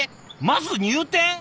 まず入店？